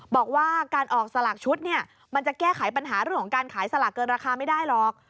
บอกว่าการออกสลากชุดเนี่ยมันจะแก้ไขปัญหาเรื่องของการขายสลากเกินราคาไม่ได้หรอก